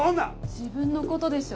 自分のことでしょ？